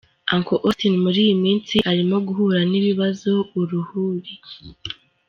Uncle Austin muri iyi minsi arimo guhura n'ibibazo uruhuri.